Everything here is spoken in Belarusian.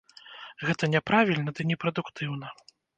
Гэта няправільна ды непрадуктыўна.